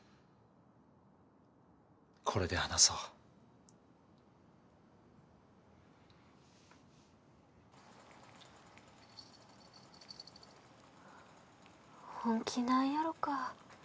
これで話そう本気なんやろか